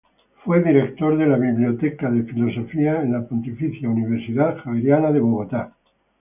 Fue Director de la Biblioteca de Filosofía, en la Pontificia Universidad Javeriana de Bogotá.